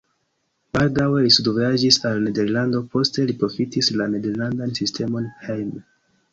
Baldaŭe li studvojaĝis al Nederlando, poste li profitis la nederlandan sistemon hejme.